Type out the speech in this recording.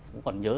cũng còn nhớ